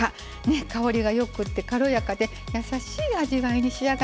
香りがよくって軽やかでやさしい味わいに仕上がります。